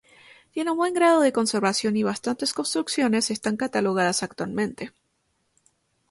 Tiene un buen grado de conservación y bastantes construcciones están catalogadas actualmente.